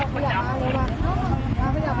อ้าวคุยกันก่อนคุยกันก่อน